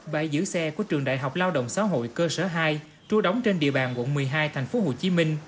bãi giữ xe của trường đại học lao động xã hội cơ sở hai trua đóng trên địa bàn quận một mươi hai tp hcm